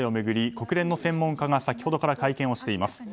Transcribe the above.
国連の専門家が先ほどから会見をしています。